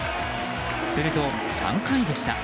すると、３回でした。